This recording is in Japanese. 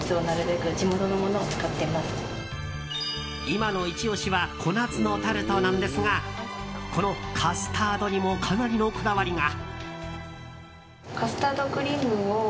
今のイチ押しは小夏のタルトなんですがこのカスタードにもかなりのこだわりが。